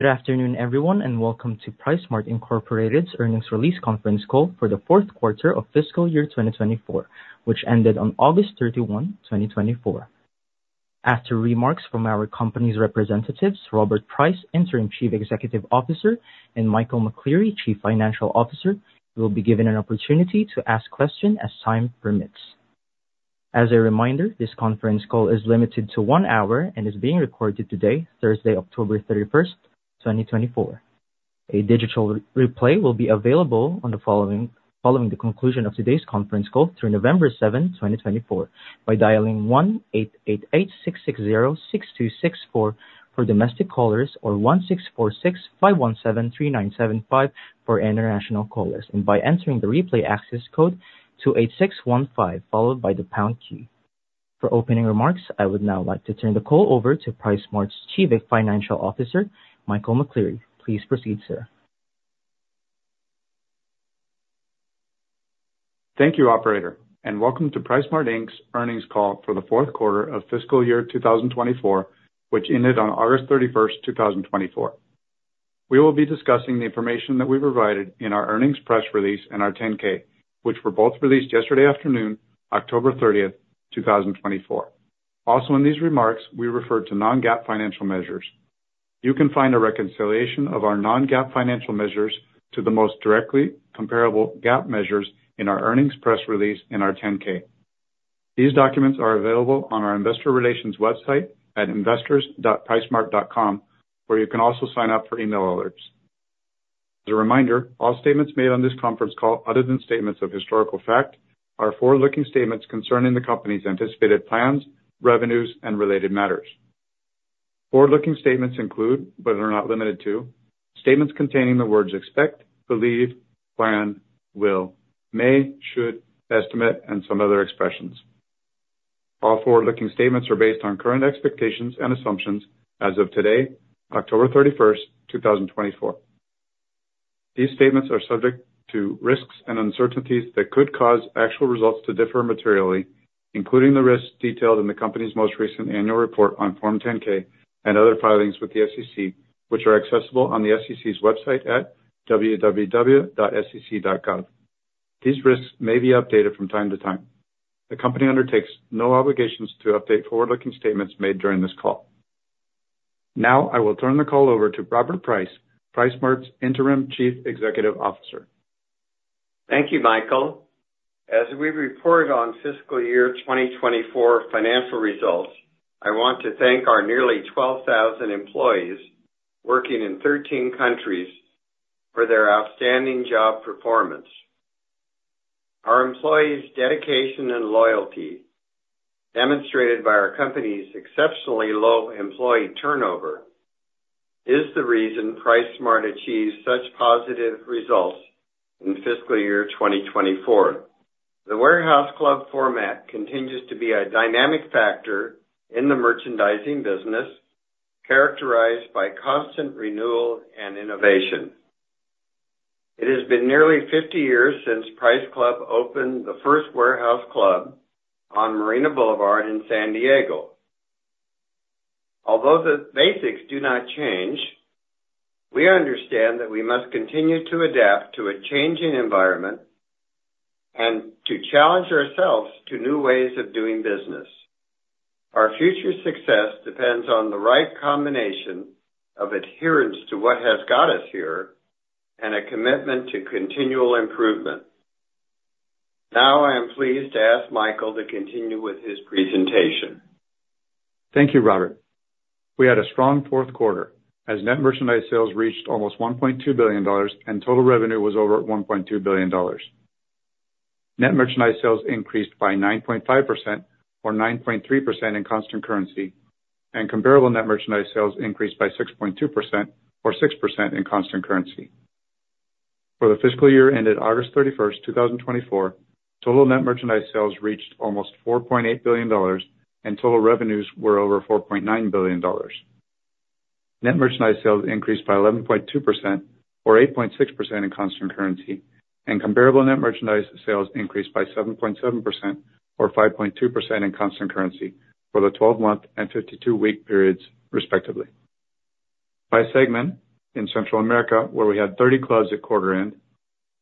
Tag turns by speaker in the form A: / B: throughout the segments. A: Good afternoon, everyone, and welcome to PriceSmart Inc.'s Earnings Release Conference Call for the Fourth Quarter of Fiscal Year 2024, which ended on August 31, 2024. After remarks from our company's representatives, Robert Price, Interim Chief Executive Officer, and Michael McCleary, Chief Financial Officer, you will be given an opportunity to ask questions as time permits. As a reminder, this conference call is limited to one hour and is being recorded today, Thursday, October 31, 2024. A digital replay will be available following the conclusion of today's conference call through November 7, 2024, by dialing 1-888-660-6264 for domestic callers or 1-646-517-3975 for international callers, and by entering the replay access code 28615, followed by the pound key. For opening remarks, I would now like to turn the call over to PriceSmart's Chief Financial Officer, Michael McCleary. Please proceed, sir.
B: Thank you, Operator, and welcome to PriceSmart Inc.'s earnings call for the fourth quarter of fiscal year 2024, which ended on August 31, 2024. We will be discussing the information that we provided in our earnings press release and our 10-K, which were both released yesterday afternoon, October 30, 2024. Also, in these remarks, we referred to non-GAAP financial measures. You can find a reconciliation of our non-GAAP financial measures to the most directly comparable GAAP measures in our earnings press release and our 10-K. These documents are available on our Investor Relations website at investors.pricesmart.com, where you can also sign up for email alerts. As a reminder, all statements made on this conference call, other than statements of historical fact, are forward-looking statements concerning the company's anticipated plans, revenues, and related matters. Forward-looking statements include, but are not limited to, statements containing the words expect, believe, plan, will, may, should, estimate, and some other expressions. All forward-looking statements are based on current expectations and assumptions as of today, October 31, 2024. These statements are subject to risks and uncertainties that could cause actual results to differ materially, including the risks detailed in the company's most recent annual report on Form 10-K and other filings with the SEC, which are accessible on the SEC's website at www.sec.gov. These risks may be updated from time to time. The company undertakes no obligations to update forward-looking statements made during this call. Now, I will turn the call over to Robert Price, PriceSmart's Interim Chief Executive Officer.
C: Thank you, Michael. As we report on fiscal year 2024 financial results, I want to thank our nearly 12,000 employees working in 13 countries for their outstanding job performance. Our employees' dedication and loyalty, demonstrated by our company's exceptionally low employee turnover, is the reason PriceSmart achieves such positive results in fiscal year 2024. The warehouse club format continues to be a dynamic factor in the merchandising business, characterized by constant renewal and innovation. It has been nearly 50 years since Price Club opened the first warehouse club on Marina Boulevard in San Diego. Although the basics do not change, we understand that we must continue to adapt to a changing environment and to challenge ourselves to new ways of doing business. Our future success depends on the right combination of adherence to what has got us here and a commitment to continual improvement. Now, I am pleased to ask Michael to continue with his presentation.
B: Thank you, Robert. We had a strong fourth quarter as net merchandise sales reached almost $1.2 billion and total revenue was over $1.2 billion. Net merchandise sales increased by 9.5% or 9.3% in constant currency, and comparable net merchandise sales increased by 6.2% or 6% in constant currency. For the fiscal year ended August 31, 2024, total net merchandise sales reached almost $4.8 billion and total revenues were over $4.9 billion. Net merchandise sales increased by 11.2% or 8.6% in constant currency, and comparable net merchandise sales increased by 7.7% or 5.2% in constant currency for the 12-month and 52-week periods, respectively. By segment, in Central America, where we had 30 clubs at quarter end,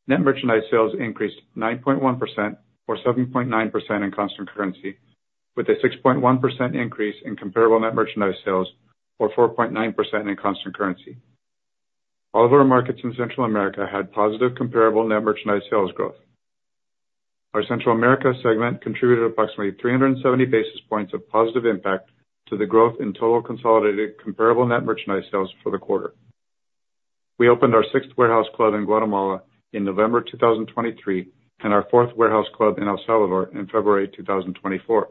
B: net merchandise sales increased 9.1% or 7.9% in constant currency, with a 6.1% increase in comparable net merchandise sales or 4.9% in constant currency. All of our markets in Central America had positive comparable net merchandise sales growth. Our Central America segment contributed approximately 370 basis points of positive impact to the growth in total consolidated comparable net merchandise sales for the quarter. We opened our sixth warehouse club in Guatemala in November 2023 and our fourth warehouse club in El Salvador in February 2024.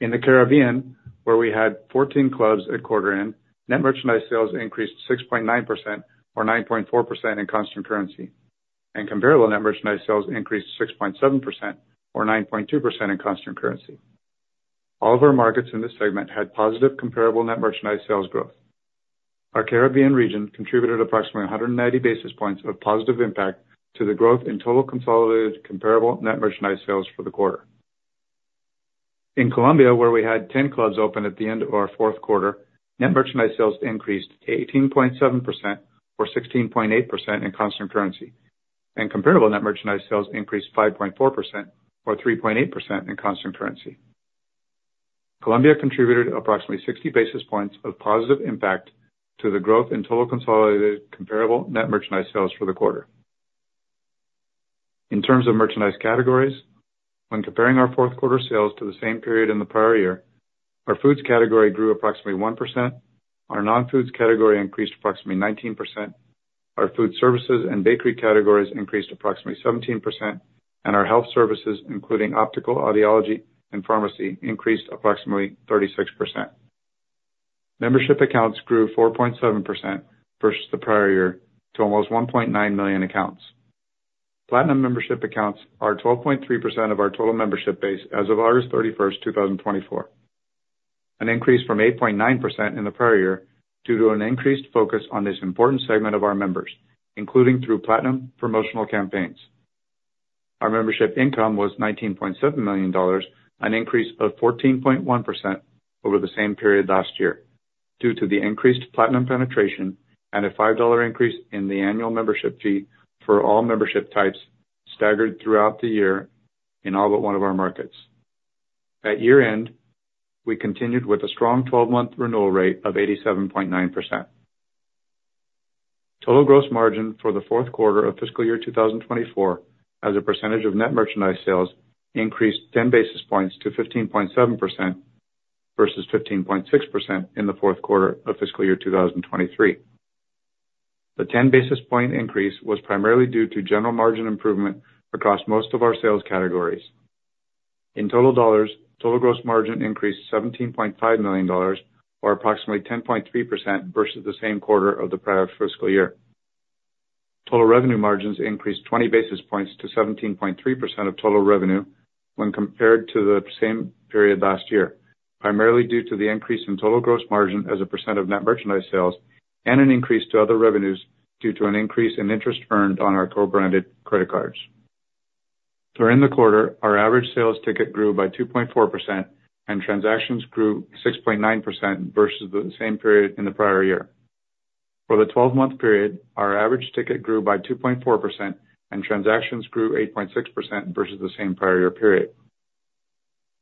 B: In the Caribbean, where we had 14 clubs at quarter end, net merchandise sales increased 6.9% or 9.4% in constant currency, and comparable net merchandise sales increased 6.7% or 9.2% in constant currency. All of our markets in this segment had positive comparable net merchandise sales growth. Our Caribbean region contributed approximately 190 basis points of positive impact to the growth in total consolidated comparable net merchandise sales for the quarter. In Colombia, where we had 10 clubs open at the end of our fourth quarter, net merchandise sales increased 18.7% or 16.8% in constant currency, and comparable net merchandise sales increased 5.4% or 3.8% in constant currency. Colombia contributed approximately 60 basis points of positive impact to the growth in total consolidated comparable net merchandise sales for the quarter. In terms of merchandise categories, when comparing our fourth quarter sales to the same period in the prior year, our foods category grew approximately 1%, our non-foods category increased approximately 19%, our food services and bakery categories increased approximately 17%, and our health services, including optical, audiology, and pharmacy, increased approximately 36%. Membership accounts grew 4.7% versus the prior year to almost 1.9 million accounts. Platinum membership accounts are 12.3% of our total membership base as of August 31, 2024, an increase from 8.9% in the prior year due to an increased focus on this important segment of our members, including through Platinum promotional campaigns. Our membership income was $19.7 million, an increase of 14.1% over the same period last year, due to the increased Platinum penetration and a $5 increase in the annual membership fee for all membership types staggered throughout the year in all but one of our markets. At year-end, we continued with a strong 12-month renewal rate of 87.9%. Total gross margin for the fourth quarter of fiscal year 2024, as a percentage of net merchandise sales, increased 10 basis points to 15.7% versus 15.6% in the fourth quarter of fiscal year 2023. The 10 basis point increase was primarily due to general margin improvement across most of our sales categories. In total dollars, total gross margin increased $17.5 million, or approximately 10.3% versus the same quarter of the prior fiscal year. Total gross margins increased 20 basis points to 17.3% of total revenue when compared to the same period last year, primarily due to the increase in total gross margin as a percent of net merchandise sales and an increase to other revenues due to an increase in interest earned on our co-branded credit cards. During the quarter, our average sales ticket grew by 2.4%, and transactions grew 6.9% versus the same period in the prior year. For the 12-month period, our average ticket grew by 2.4%, and transactions grew 8.6% versus the same prior year period.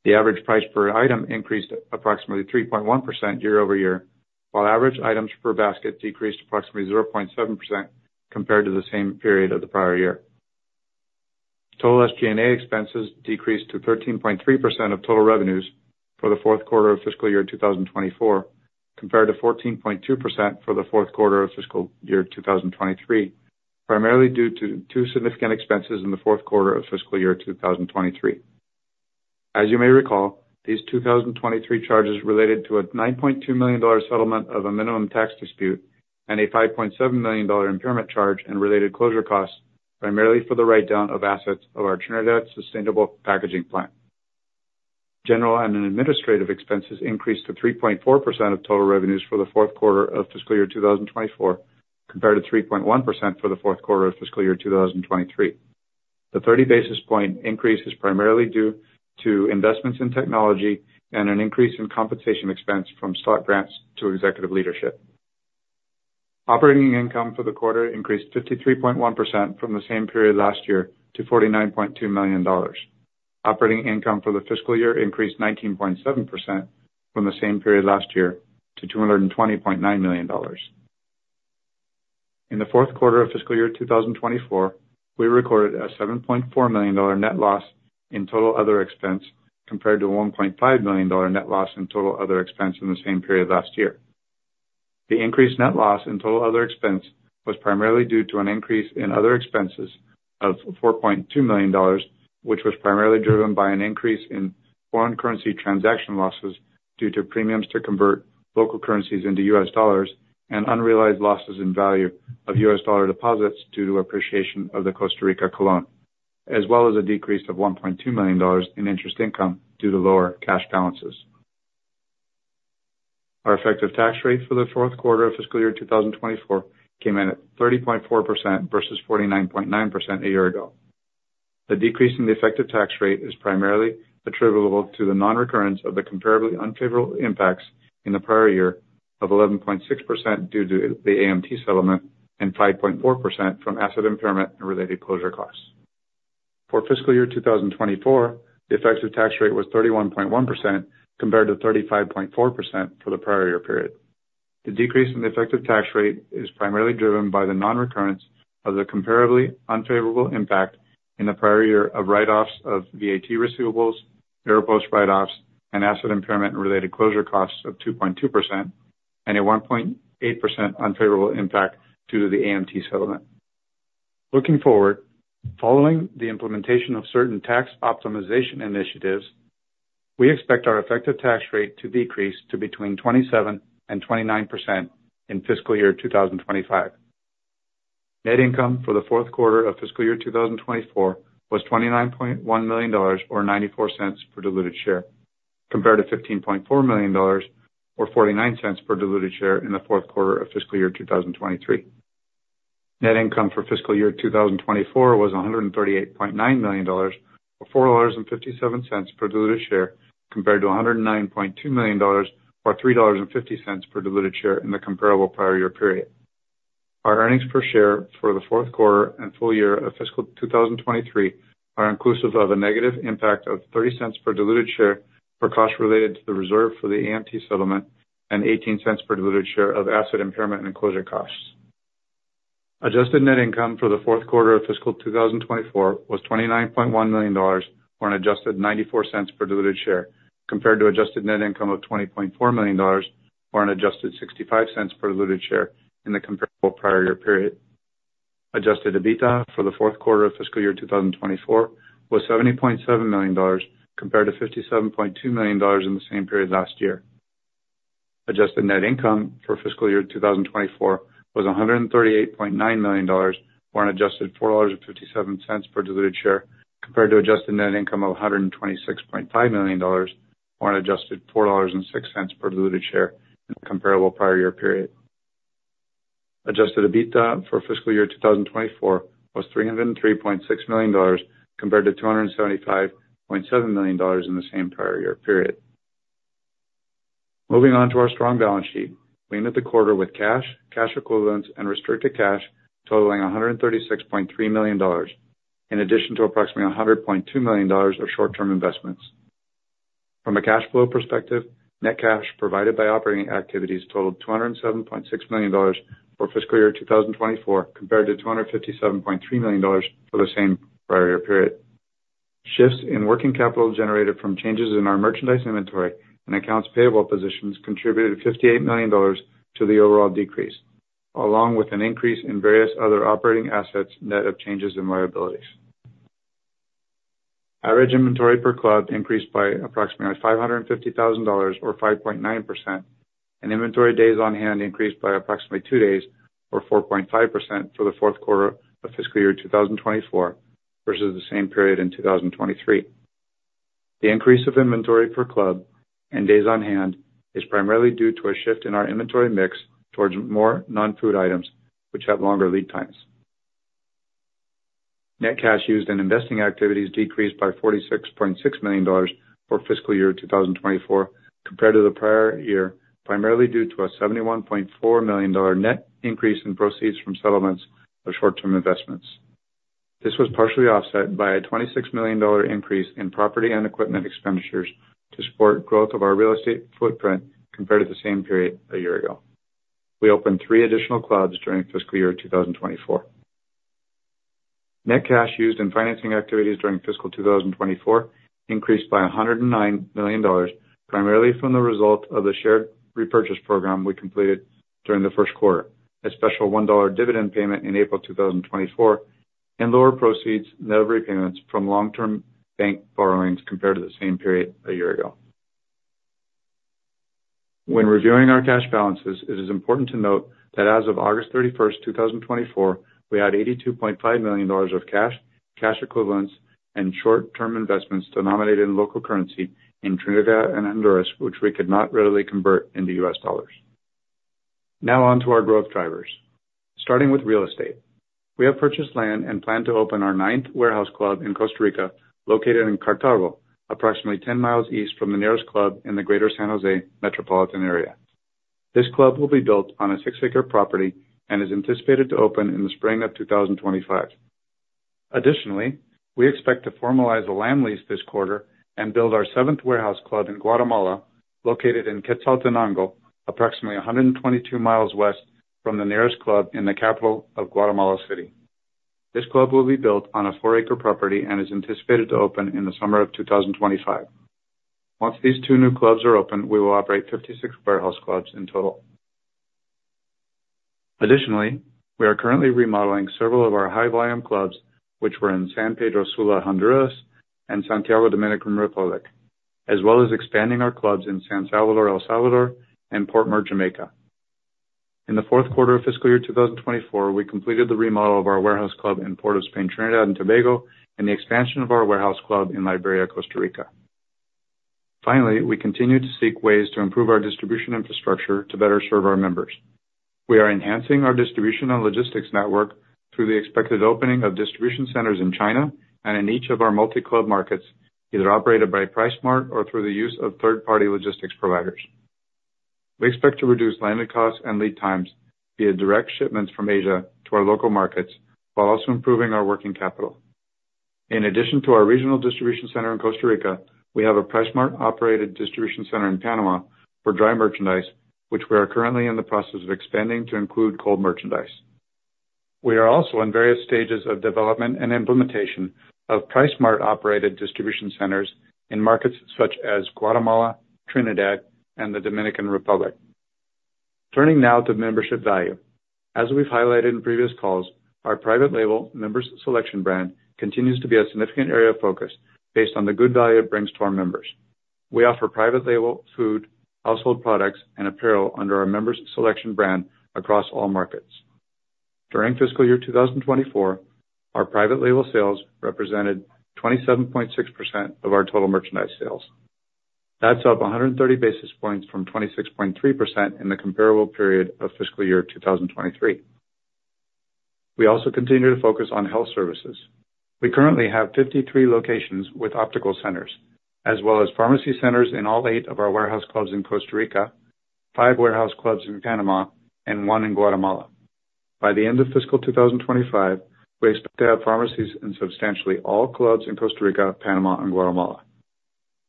B: The average price per item increased approximately 3.1% year-over-year, while average items per basket decreased approximately 0.7% compared to the same period of the prior year. Total SG&A expenses decreased to 13.3% of total revenues for the fourth quarter of fiscal year 2024, compared to 14.2% for the fourth quarter of fiscal year 2023, primarily due to two significant expenses in the fourth quarter of fiscal year 2023. As you may recall, these 2023 charges related to a $9.2 million settlement of a minimum tax dispute and a $5.7 million impairment charge and related closure costs, primarily for the write-down of assets of our Trinidad Sustainable Packaging Plant. General and administrative expenses increased to 3.4% of total revenues for the fourth quarter of fiscal year 2024, compared to 3.1% for the fourth quarter of fiscal year 2023. The 30 basis point increase is primarily due to investments in technology and an increase in compensation expense from stock grants to executive leadership. Operating income for the quarter increased 53.1% from the same period last year to $49.2 million. Operating income for the fiscal year increased 19.7% from the same period last year to $220.9 million. In the fourth quarter of fiscal year 2024, we recorded a $7.4 million net loss in total other expense, compared to $1.5 million net loss in total other expense in the same period last year. The increased net loss in total other expense was primarily due to an increase in other expenses of $4.2 million, which was primarily driven by an increase in foreign currency transaction losses due to premiums to convert local currencies into U.S. dollars and unrealized losses in value of U.S. dollar deposits due to appreciation of the Costa Rica Colón, as well as a decrease of $1.2 million in interest income due to lower cash balances. Our effective tax rate for the fourth quarter of fiscal year 2024 came in at 30.4% versus 49.9% a year ago. The decrease in the effective tax rate is primarily attributable to the non-recurrence of the comparably unfavorable impacts in the prior year of 11.6% due to the AMT settlement and 5.4% from asset impairment and related closure costs. For fiscal year 2024, the effective tax rate was 31.1% compared to 35.4% for the prior year period. The decrease in the effective tax rate is primarily driven by the non-recurrence of the comparably unfavorable impact in the prior year of write-offs of VAT receivables, severance write-offs, and asset impairment and related closure costs of 2.2%, and a 1.8% unfavorable impact due to the AMT settlement. Looking forward, following the implementation of certain tax optimization initiatives, we expect our effective tax rate to decrease to between 27% and 29% in fiscal year 2025. Net income for the fourth quarter of fiscal year 2024 was $29.1 million or $0.94 per diluted share, compared to $15.4 million or $0.49 per diluted share in the fourth quarter of fiscal year 2023. Net income for fiscal year 2024 was $138.9 million or $4.57 per diluted share, compared to $109.2 million or $3.50 per diluted share in the comparable prior year period. Our earnings per share for the fourth quarter and full year of fiscal 2023 are inclusive of a negative impact of $0.30 per diluted share for costs related to the reserve for the AMT settlement and $0.18 per diluted share of asset impairment and closure costs. Adjusted net income for the fourth quarter of fiscal 2024 was $29.1 million or an adjusted $0.94 per diluted share, compared to adjusted net income of $20.4 million or an adjusted $0.65 per diluted share in the comparable prior year period. Adjusted EBITDA for the fourth quarter of fiscal year 2024 was $70.7 million, compared to $57.2 million in the same period last year. Adjusted net income for fiscal year 2024 was $138.9 million or an adjusted $4.57 per diluted share, compared to adjusted net income of $126.5 million or an adjusted $4.06 per diluted share in the comparable prior year period. Adjusted EBITDA for fiscal year 2024 was $303.6 million, compared to $275.7 million in the same prior year period. Moving on to our strong balance sheet, we ended the quarter with cash, cash equivalents, and restricted cash totaling $136.3 million, in addition to approximately $100.2 million of short-term investments. From a cash flow perspective, net cash provided by operating activities totaled $207.6 million for fiscal year 2024, compared to $257.3 million for the same prior year period. Shifts in working capital generated from changes in our merchandise inventory and accounts payable positions contributed $58 million to the overall decrease, along with an increase in various other operating assets net of changes in liabilities. Average inventory per club increased by approximately $550,000 or 5.9%, and inventory days on hand increased by approximately 2 days or 4.5% for the fourth quarter of fiscal year 2024 versus the same period in 2023. The increase of inventory per club and days on hand is primarily due to a shift in our inventory mix towards more non-food items, which have longer lead times. Net cash used in investing activities decreased by $46.6 million for fiscal year 2024, compared to the prior year, primarily due to a $71.4 million net increase in proceeds from settlements of short-term investments. This was partially offset by a $26 million increase in property and equipment expenditures to support growth of our real estate footprint compared to the same period a year ago. We opened three additional clubs during fiscal year 2024. Net cash used in financing activities during fiscal 2024 increased by $109 million, primarily from the result of the share repurchase program we completed during the first quarter, a special $1 dividend payment in April 2024, and lower proceeds net repayments from long-term bank borrowings compared to the same period a year ago. When reviewing our cash balances, it is important to note that as of August 31, 2024, we had $82.5 million of cash, cash equivalents, and short-term investments denominated in local currency in Trinidad and Honduras, which we could not readily convert into U.S. dollars. Now on to our growth drivers. Starting with real estate, we have purchased land and plan to open our ninth warehouse club in Costa Rica, located in Cartago, approximately 10 miles east from the nearest club in the greater San José metropolitan area. This club will be built on a six-acre property and is anticipated to open in the spring of 2025. Additionally, we expect to formalize a land lease this quarter and build our seventh warehouse club in Guatemala, located in Quetzaltenango, approximately 122 miles west from the nearest club in the capital of Guatemala City. This club will be built on a four-acre property and is anticipated to open in the summer of 2025. Once these two new clubs are open, we will operate 56 warehouse clubs in total. Additionally, we are currently remodeling several of our high-volume clubs, which were in San Pedro Sula, Honduras, and Santiago, Dominican Republic, as well as expanding our clubs in San Salvador, El Salvador, and Portmore, Jamaica. In the fourth quarter of fiscal year 2024, we completed the remodel of our warehouse club in Port of Spain, Trinidad and Tobago, and the expansion of our warehouse club in Liberia, Costa Rica. Finally, we continue to seek ways to improve our distribution infrastructure to better serve our members. We are enhancing our distribution and logistics network through the expected opening of distribution centers in China and in each of our multi-club markets, either operated by PriceSmart or through the use of third-party logistics providers. We expect to reduce landed costs and lead times via direct shipments from Asia to our local markets, while also improving our working capital. In addition to our regional distribution center in Costa Rica, we have a PriceSmart operated distribution center in Panama for dry merchandise, which we are currently in the process of expanding to include cold merchandise. We are also in various stages of development and implementation of PriceSmart-operated distribution centers in markets such as Guatemala, Trinidad, and the Dominican Republic. Turning now to membership value. As we've highlighted in previous calls, our private label Member's Selection brand continues to be a significant area of focus based on the good value it brings to our members. We offer private label food, household products, and apparel under our Member's Selection brand across all markets. During fiscal year 2024, our private label sales represented 27.6% of our total merchandise sales. That's up 130 basis points from 26.3% in the comparable period of fiscal year 2023. We also continue to focus on health services. We currently have 53 locations with optical centers, as well as pharmacy centers in all eight of our warehouse clubs in Costa Rica, five warehouse clubs in Panama, and one in Guatemala. By the end of fiscal 2025, we expect to have pharmacies in substantially all clubs in Costa Rica, Panama, and Guatemala.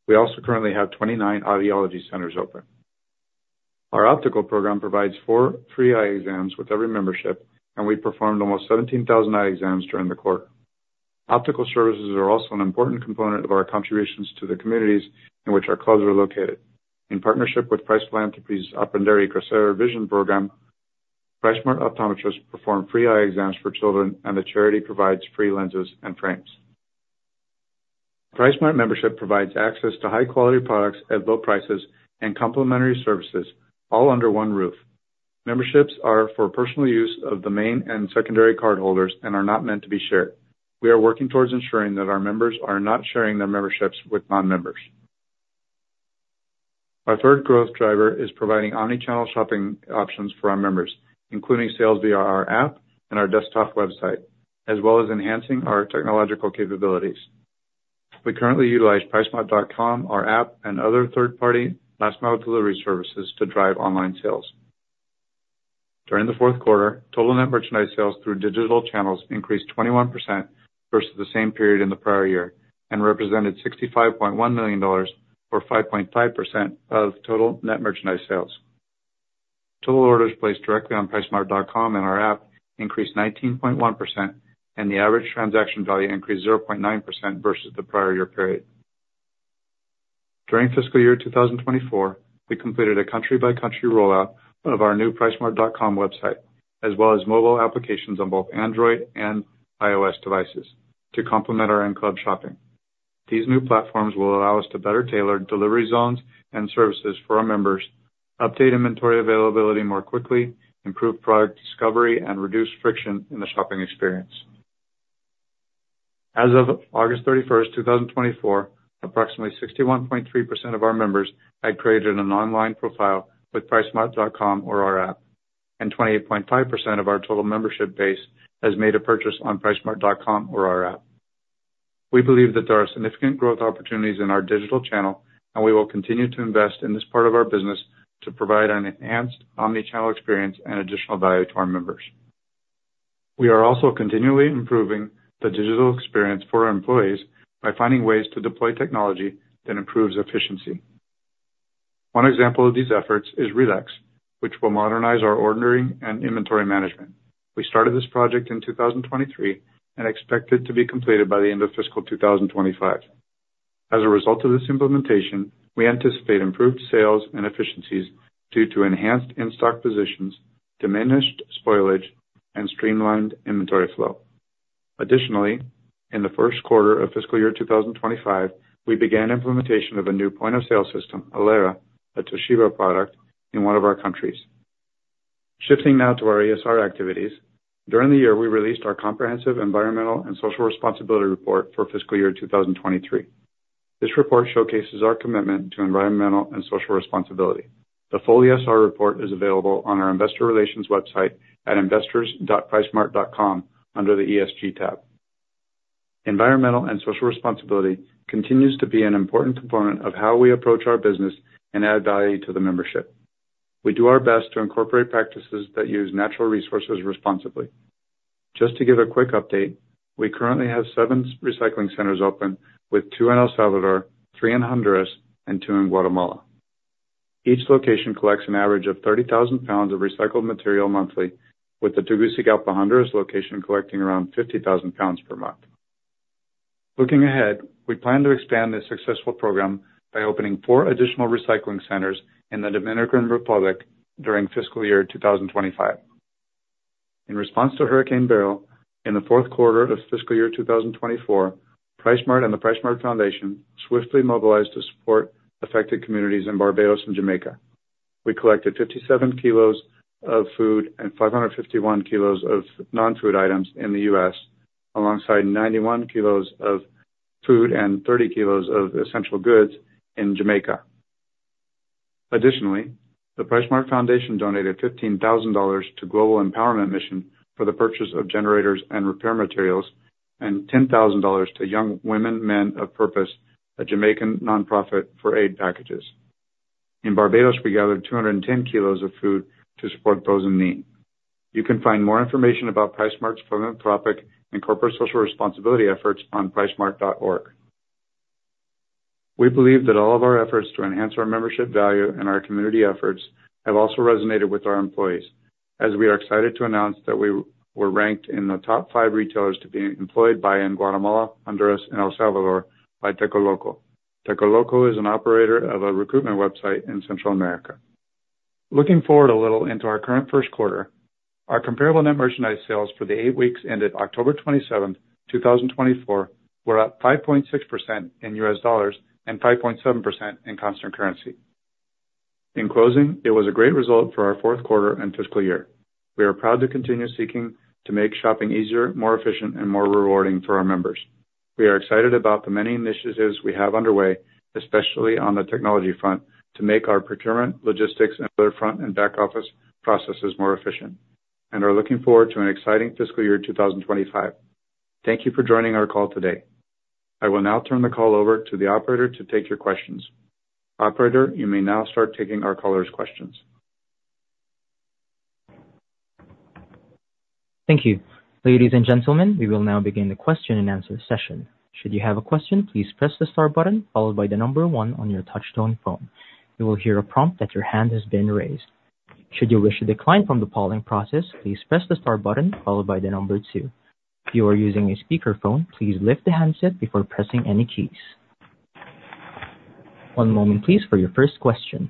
B: We also currently have 29 audiology centers open. Our optical program provides four free eye exams with every membership, and we performed almost 17,000 eye exams during the quarter. Optical services are also an important component of our contributions to the communities in which our clubs are located. In partnership with Price Philanthropies' Aprender y Crecer Vision Program, PriceSmart Optometrists perform free eye exams for children, and the charity provides free lenses and frames. PriceSmart membership provides access to high-quality products at low prices and complimentary services, all under one roof. Memberships are for personal use of the main and secondary cardholders and are not meant to be shared. We are working towards ensuring that our members are not sharing their memberships with non-members. Our third growth driver is providing omnichannel shopping options for our members, including sales via our app and our desktop website, as well as enhancing our technological capabilities. We currently utilize PriceSmart.com, our app, and other third-party last-mile delivery services to drive online sales. During the fourth quarter, total net merchandise sales through digital channels increased 21% versus the same period in the prior year and represented $65.1 million or 5.5% of total net merchandise sales. Total orders placed directly on PriceSmart.com and our app increased 19.1%, and the average transaction value increased 0.9% versus the prior year period. During fiscal year 2024, we completed a country-by-country rollout of our new PriceSmart.com website, as well as mobile applications on both Android and iOS devices to complement our in-club shopping. These new platforms will allow us to better tailor delivery zones and services for our members, update inventory availability more quickly, improve product discovery, and reduce friction in the shopping experience. As of August 31, 2024, approximately 61.3% of our members had created an online profile with PriceSmart.com or our app, and 28.5% of our total membership base has made a purchase on PriceSmart.com or our app. We believe that there are significant growth opportunities in our digital channel, and we will continue to invest in this part of our business to provide an enhanced omnichannel experience and additional value to our members. We are also continually improving the digital experience for our employees by finding ways to deploy technology that improves efficiency. One example of these efforts is RELEX, which will modernize our ordering and inventory management. We started this project in 2023 and expect it to be completed by the end of fiscal 2025. As a result of this implementation, we anticipate improved sales and efficiencies due to enhanced in-stock positions, diminished spoilage, and streamlined inventory flow. Additionally, in the first quarter of fiscal year 2025, we began implementation of a new point-of-sale system, ELERA, a Toshiba product in one of our countries. Shifting now to our ESR activities, during the year, we released our comprehensive environmental and social responsibility report for fiscal year 2023. This report showcases our commitment to environmental and social responsibility. The full ESR report is available on our investor relations website at investors.pricesmart.com under the ESG tab. Environmental and social responsibility continues to be an important component of how we approach our business and add value to the membership. We do our best to incorporate practices that use natural resources responsibly. Just to give a quick update, we currently have seven recycling centers open with two in El Salvador, three in Honduras, and two in Guatemala. Each location collects an average of 30,000 pounds of recycled material monthly, with the Tegucigalpa, Honduras location collecting around 50,000 pounds per month. Looking ahead, we plan to expand this successful program by opening four additional recycling centers in the Dominican Republic during fiscal year 2025. In response to Hurricane Beryl, in the fourth quarter of fiscal year 2024, PriceSmart and the PriceSmart Foundation swiftly mobilized to support affected communities in Barbados and Jamaica. We collected 57 kilos of food and 551 kilos of non-food items in the U.S., alongside 91 kilos of food and 30 kilos of essential goods in Jamaica. Additionally, the PriceSmart Foundation donated $15,000 to Global Empowerment Mission for the purchase of generators and repair materials, and $10,000 to Young Women, Men of Purpose, a Jamaican nonprofit for aid packages. In Barbados, we gathered 210 kilos of food to support those in need. You can find more information about PriceSmart's philanthropic and corporate social responsibility efforts on pricesmart.com. We believe that all of our efforts to enhance our membership value and our community efforts have also resonated with our employees, as we are excited to announce that we were ranked in the top five retailers to be employed by in Guatemala, Honduras, and El Salvador by Tecoloco. Tecoloco is an operator of a recruitment website in Central America. Looking forward a little into our current first quarter, our comparable net merchandise sales for the eight weeks ended October 27, 2024, were at 5.6% in U.S. Dollars and 5.7% in constant currency. In closing, it was a great result for our fourth quarter and fiscal year. We are proud to continue seeking to make shopping easier, more efficient, and more rewarding for our members. We are excited about the many initiatives we have underway, especially on the technology front, to make our procurement, logistics, and other front-and-back office processes more efficient, and are looking forward to an exciting fiscal year 2025. Thank you for joining our call today. I will now turn the call over to the operator to take your questions. Operator, you may now start taking our caller's questions.
A: Thank you. Ladies and gentlemen, we will now begin the question-and-answer session. Should you have a question, please press the star button followed by the number one on your touch-tone phone. You will hear a prompt that your hand has been raised. Should you wish to decline from the polling process, please press the star button followed by the number two. If you are using a speakerphone, please lift the handset before pressing any keys. One moment, please, for your first question.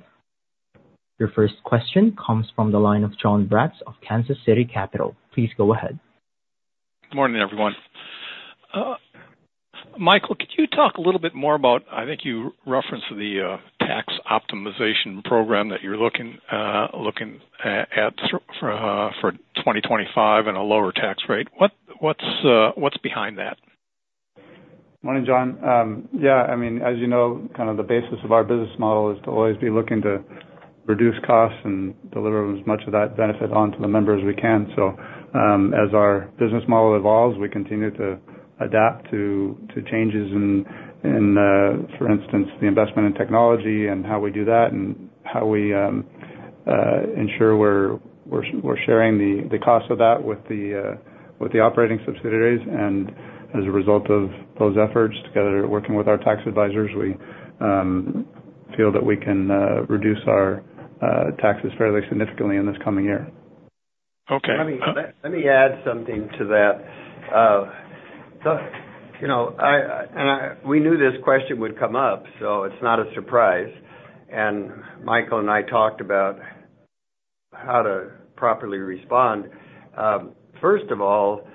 A: Your first question comes from the line of Jon Braatz of Kansas City Capital. Please go ahead.
D: Good morning, everyone. Michael, could you talk a little bit more about, I think you referenced the tax optimization program that you're looking at for 2025 and a lower tax rate. What's behind that?
B: Morning, Jon. Yeah, I mean, as you know, kind of the basis of our business model is to always be looking to reduce costs and deliver as much of that benefit onto the members as we can. As our business model evolves, we continue to adapt to changes in, for instance, the investment in technology and how we do that and how we ensure we're sharing the cost of that with the operating subsidiaries. And as a result of those efforts, together working with our tax advisors, we feel that we can reduce our taxes fairly significantly in this coming year.
C: Okay. Let me add something to that. And we knew this question would come up, so it's not a surprise. And Michael and I talked about how to properly respond. First of all,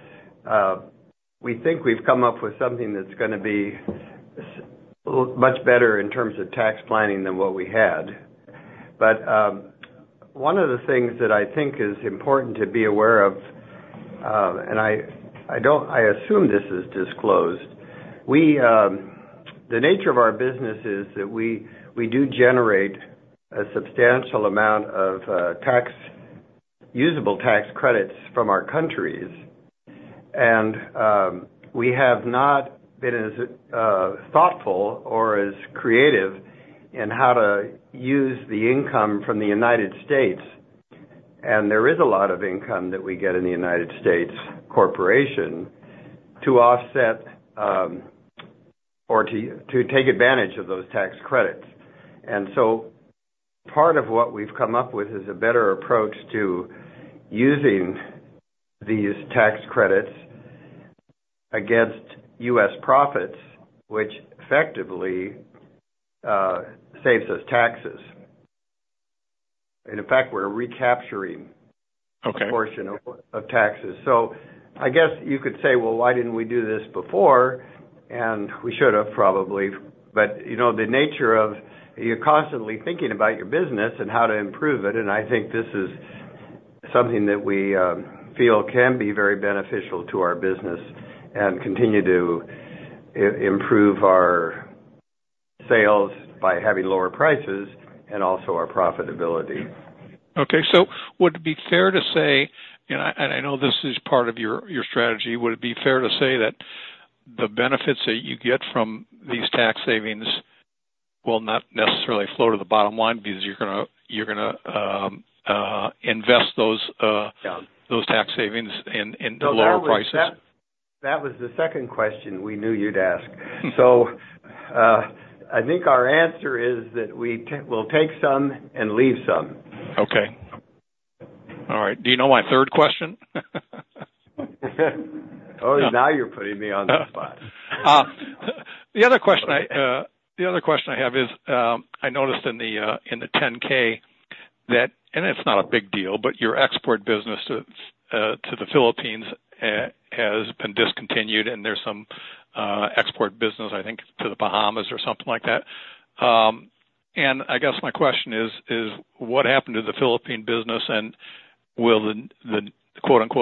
C: we think we've come up with something that's going to be much better in terms of tax planning than what we had. One of the things that I think is important to be aware of, and I assume this is disclosed. The nature of our business is that we do generate a substantial amount of usable tax credits from our countries, and we have not been as thoughtful or as creative in how to use the income from the United States. There is a lot of income that we get in the United States corporation to offset or to take advantage of those tax credits, and so part of what we've come up with is a better approach to using these tax credits against U.S. profits, which effectively saves us taxes. In fact, we're recapturing a portion of taxes. I guess you could say, well, why didn't we do this before, and we should have probably. But the nature of you're constantly thinking about your business and how to improve it. And I think this is something that we feel can be very beneficial to our business and continue to improve our sales by having lower prices and also our profitability.
D: Okay. So would it be fair to say, and I know this is part of your strategy, would it be fair to say that the benefits that you get from these tax savings will not necessarily flow to the bottom line because you're going to invest those tax savings into lower prices?
C: That was the second question we knew you'd ask. So I think our answer is that we will take some and leave some.
D: Okay. All right. Do you know my third question?
C: Oh, now you're putting me on the spot.
D: The other question I have is I noticed in the 10-K that, and it's not a big deal, but your export business to the Philippines has been discontinued, and there's some export business, I think, to the Bahamas or something like that. And I guess my question is, what happened to the Philippine business? And will the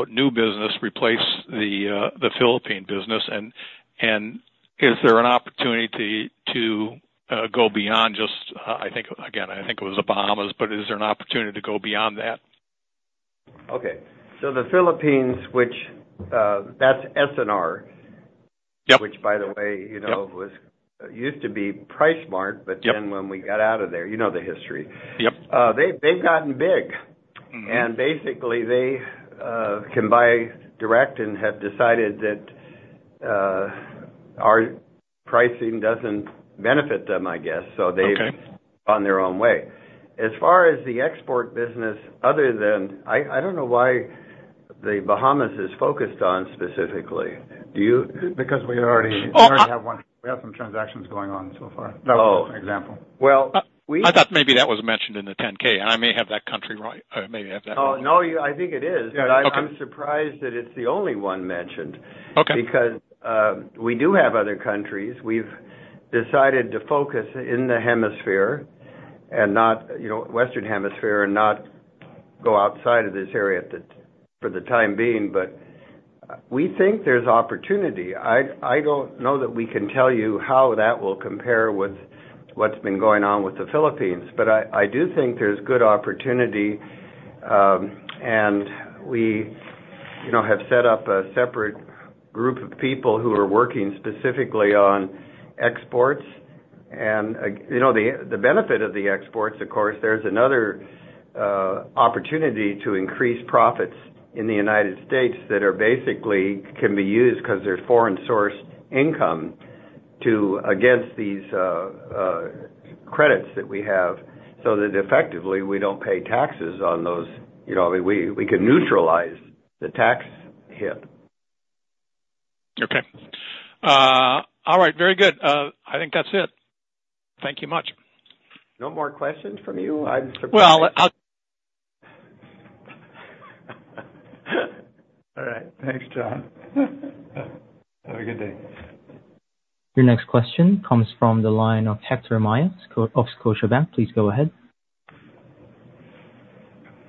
D: "new business" replace the Philippine business? And is there an opportunity to go beyond just, I think, again, I think it was the Bahamas, but is there an opportunity to go beyond that?
C: Okay. So the Philippines, which that's S&R, which, by the way, used to be PriceSmart, but then when we got out of there, you know the history. They've gotten big. And basically, they can buy direct and have decided that our pricing doesn't benefit them, I guess. So they've gone their own way. As far as the export business, other than, I don't know why the Bahamas is focused on specifically. Do you?
B: Because we already have some transactions going on so far. That was just an example. Well, I thought maybe that was mentioned in the 10-K, and I may have that country or maybe have that.
C: Oh, no, I think it is. But I'm surprised that it's the only one mentioned because we do have other countries. We've decided to focus in the hemisphere and not Western Hemisphere and not go outside of this area for the time being. But we think there's opportunity. I don't know that we can tell you how that will compare with what's been going on with the Philippines, but I do think there's good opportunity. And we have set up a separate group of people who are working specifically on exports. And the benefit of the exports, of course, there's another opportunity to increase profits in the United States that basically can be used because they're foreign-sourced income against these credits that we have so that effectively we don't pay taxes on those. We can neutralize the tax hit.
D: Okay. All right. Very good. I think that's it. Thank you much.
C: No more questions from you. I'm surprised.
D: Well, all right.
B: Thanks, Jon. Have a good day.
A: Your next question comes from the line of Héctor Maya of Scotiabank. Please go ahead.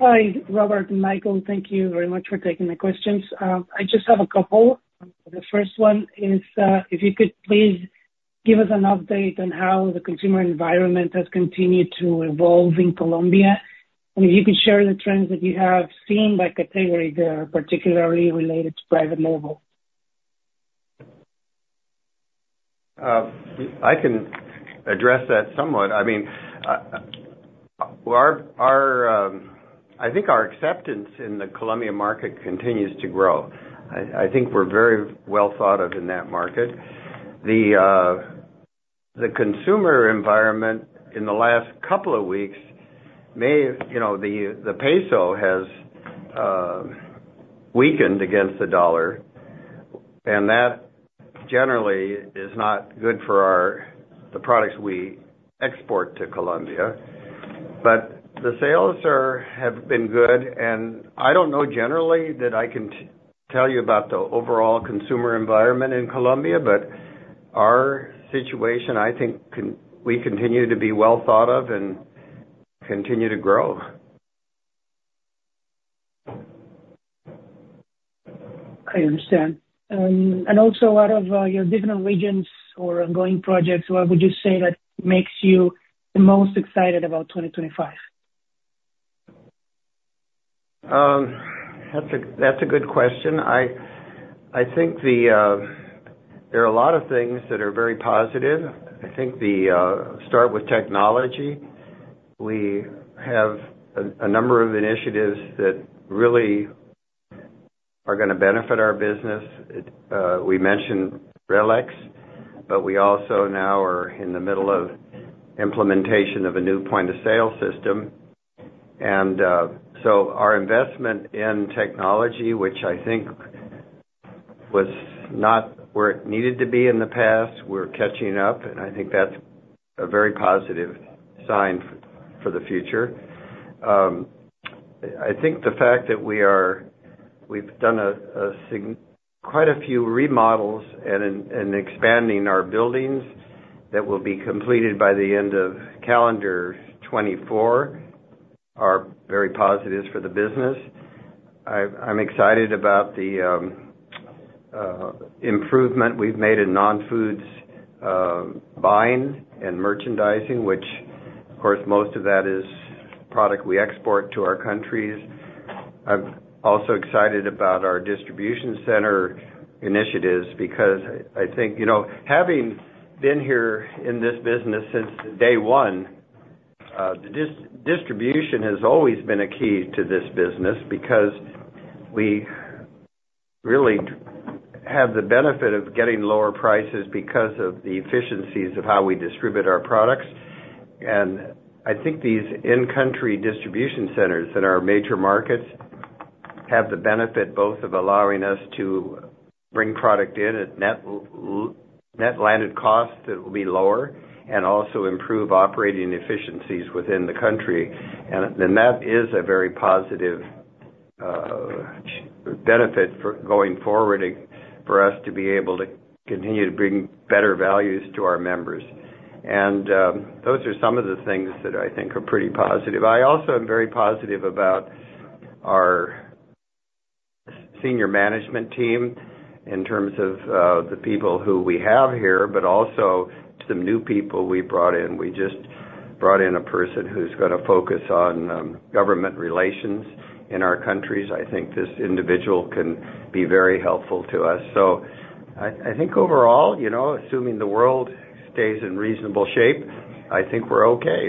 E: Hi, Robert and Michael. Thank you very much for taking my questions. I just have a couple. The first one is, if you could please give us an update on how the consumer environment has continued to evolve in Colombia. And if you could share the trends that you have seen by category, particularly related to private label.
B: I can address that somewhat. I mean, I think our acceptance in the Colombian market continues to grow. I think we're very well thought of in that market. The consumer environment in the last couple of weeks, the peso has weakened against the dollar, and that generally is not good for the products we export to Colombia, but the sales have been good, and I don't know generally that I can tell you about the overall consumer environment in Colombia, but our situation, I think we continue to be well thought of and continue to grow.
E: I understand, and also, out of your different regions or ongoing projects, what would you say that makes you the most excited about 2025?
B: That's a good question. I think there are a lot of things that are very positive. I think, start with technology. We have a number of initiatives that really are going to benefit our business. We mentioned RELEX, but we also now are in the middle of implementation of a new point-of-sale system. And so our investment in technology, which I think was not where it needed to be in the past, we're catching up. And I think that's a very positive sign for the future. I think the fact that we've done quite a few remodels and expanding our buildings that will be completed by the end of calendar 2024 are very positives for the business. I'm excited about the improvement we've made in non-foods buying and merchandising, which, of course, most of that is product we export to our countries. I'm also excited about our distribution center initiatives because I think having been here in this business since day one, distribution has always been a key to this business because we really have the benefit of getting lower prices because of the efficiencies of how we distribute our products. And I think these in-country distribution centers that are our major markets have the benefit both of allowing us to bring product in at net landed costs that will be lower and also improve operating efficiencies within the country. And that is a very positive benefit going forward for us to be able to continue to bring better values to our members. And those are some of the things that I think are pretty positive. I also am very positive about our senior management team in terms of the people who we have here, but also some new people we brought in. We just brought in a person who's going to focus on government relations in our countries. I think this individual can be very helpful to us. So I think overall, assuming the world stays in reasonable shape, I think we're okay.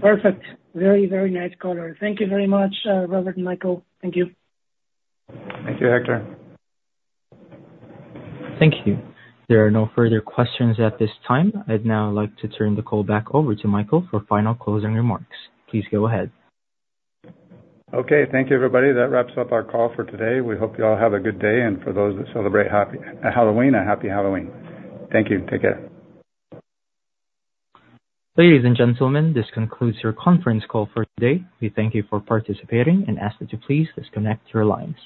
E: Perfect. Very, very nice, caller. Thank you very much, Robert and Michael. Thank you.
B: Thank you, Héctor.
A: Thank you. There are no further questions at this time. I'd now like to turn the call back over to Michael for final closing remarks. Please go ahead.
B: Okay. Thank you, everybody. That wraps up our call for today. We hope you all have a good day, and for those that celebrate Halloween, a happy Halloween. Thank you. Take care.
A: Ladies and gentlemen, this concludes your conference call for today. We thank you for participating and ask that you please disconnect your lines.